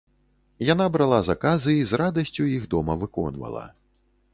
Яна брала заказы і з радасцю іх дома выконвала.